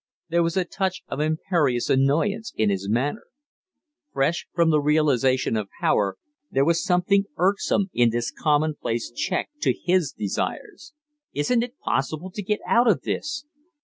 There was a touch of imperious annoyance in his manner. Fresh from the realization of power, there was something irksome in this commonplace check to his desires. "Isn't it possible to get out of this?"